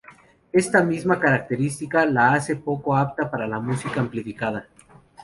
Esta misma característica la hace poco apta para la música amplificada.